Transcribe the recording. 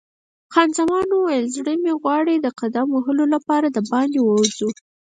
خان زمان وویل: زړه مې غواړي د قدم وهلو لپاره باندې ووځو.